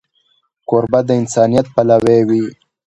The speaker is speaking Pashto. کوربه د انسانیت پلوی وي.